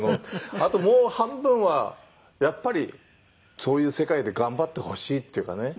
「あともう半分はやっぱりそういう世界で頑張ってほしいっていうかね」